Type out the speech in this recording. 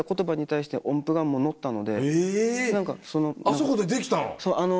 あそこでできたの？